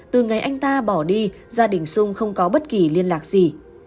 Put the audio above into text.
từ ngày anh ta bỏ đi gia đình xung không có bất kỳ liên lạc gì